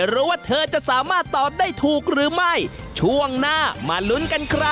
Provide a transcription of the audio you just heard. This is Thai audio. แบบไหนราคาถูกสุด